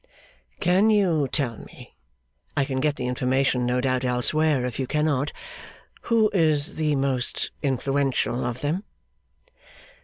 'Can you tell me I can get the information, no doubt, elsewhere, if you cannot who is the most influential of them?